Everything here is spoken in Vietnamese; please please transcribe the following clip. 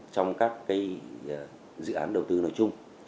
trong các dự án đầu tư nội chung